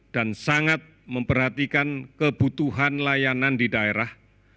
sangat memperhatikan kebutuhan layanan di daerah